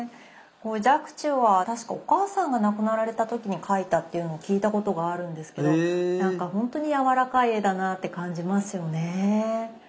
若冲は確かお母さんが亡くなられた時に描いたっていうのを聞いたことがあるんですけどなんかほんとにやわらかい絵だなって感じますよね。